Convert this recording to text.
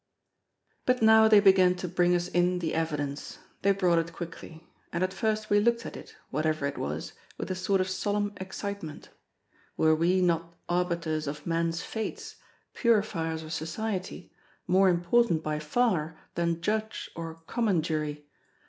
But now they began to bring us in the evidence. They brought it quickly. And at first we looked at it, whatever it was, with a sort of solemn excitement. Were we not arbiters of men's fates, purifiers of Society, more important by far than Judge or Common Jury?